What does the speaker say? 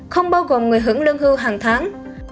không bao gồm người hưởng lương hưu hàng tháng